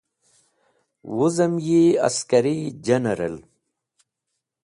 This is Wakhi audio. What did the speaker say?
Wuzem yi Askari General